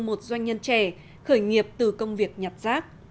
một doanh nhân trẻ khởi nghiệp từ công việc nhặt rác